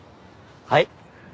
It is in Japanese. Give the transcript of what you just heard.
はい？